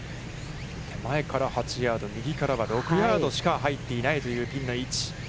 手前から８ヤード、右からは６ヤードしか入っていないというピンの位置。